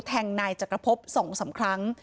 แทงนายจักรพบ๒๓ครั้ง